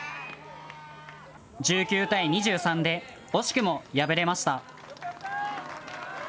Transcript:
１９対２３で惜しくも敗れました。